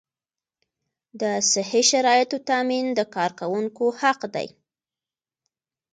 د صحي شرایطو تامین د کارکوونکي حق دی.